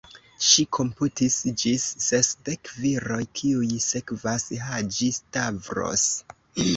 Ŝi komputis ĝis sesdek viroj, kiuj sekvas Haĝi-Stavros.